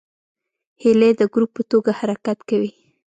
هیلۍ د ګروپ په توګه حرکت کوي